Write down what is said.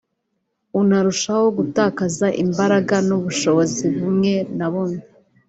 unarushaho gutakaza imbaraga n’ubushobozi bumwe na bumwe